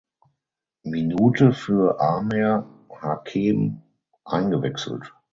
Minute für Amer Hakeem eingewechselt.